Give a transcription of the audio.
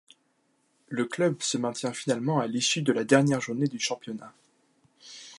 Le club se maintient finalement à l'issue de la dernière journée du championnat.